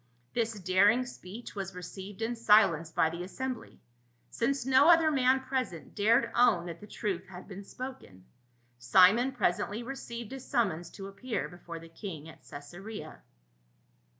This daring speech was received in silence by the assembly, since no other man present dared own that the truth had been spoken. Simon presently received a summons to appear before the king at Caesarea.